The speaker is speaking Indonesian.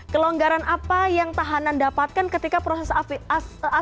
kelonggaran apa yang tahanan dapatkan ketika proses afiliasi ini berlalu